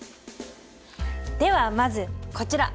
ではまずこちら。